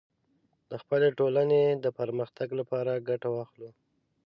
د خپلې ټولنې د پرمختګ لپاره ګټه واخلو